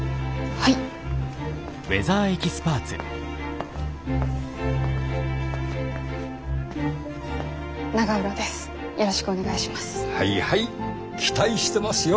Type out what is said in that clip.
はいはい期待してますよ。